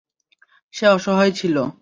সে অসহায় ছিল।